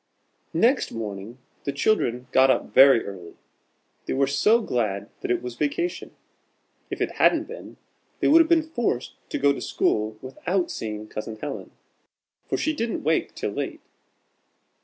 Next morning the children got up very early. They were so glad that it was vacation! If it hadn't been, they would have been forced to go to school without seeing Cousin Helen, for she didn't wake till late.